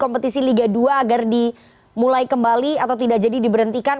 kompetisi liga dua agar dimulai kembali atau tidak jadi diberhentikan